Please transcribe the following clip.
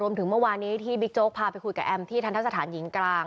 เมื่อวานี้ที่บิ๊กโจ๊กพาไปคุยกับแอมที่ทันทะสถานหญิงกลาง